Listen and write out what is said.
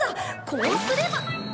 こうすれば。